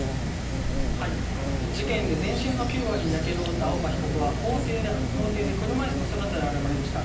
事件で全身の９割にやけどを負った青葉被告は、法廷で車いすの姿で現れました。